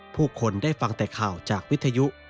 ผู้คนได้ฟังแต่ข่าวจากวิทยุ